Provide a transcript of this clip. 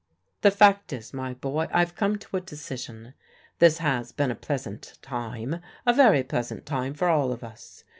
"The fact is, my boy, I've come to a decision. This has been a pleasant time a very pleasant time for all of us.